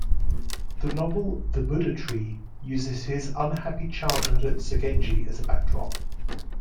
The novel "The Buddha Tree" uses his unhappy childhood at Sogenji as a backdrop.